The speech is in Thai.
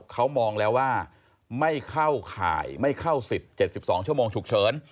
เขามองแล้วว่าไม่เข้าข่ายไม่เข้าสิทธิ์๗๒ชั่วโมงฉุกเฉิน